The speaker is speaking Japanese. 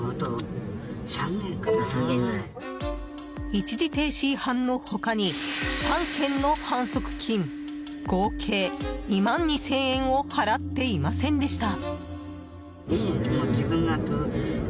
一時停止違反の他に３件の反則金合計２万２０００円を払っていませんでした。